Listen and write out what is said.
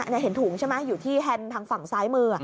เห็นถุงใช่ไหมอยู่ที่แฮนด์ทางฝั่งซ้ายมือ